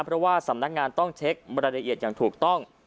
เพราะว่าสำนักงานต้องเช็ครายละเอียดอย่างถูกต้อง